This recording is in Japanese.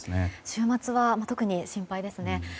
週末は特に心配ですね。